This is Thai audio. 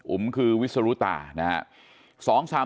อุ๋มคือวิสุรุตานะฮะ